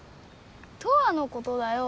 トアのことだよ。